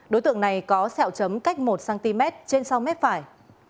đối tượng này có sẹo chấm cách một cm trên sau mép phải